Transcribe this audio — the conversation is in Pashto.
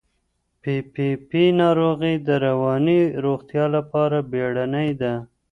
پي پي پي ناروغي د رواني روغتیا لپاره بیړنۍ ده.